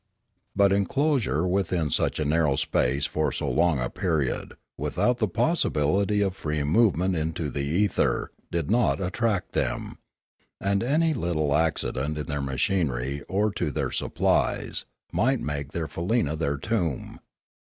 But enclosure within such a narrow space for so long a period, without the possibility of free movement into the ether, did not attract them; and any little accident in their machinery or to their supplies might make their faleena their tomb.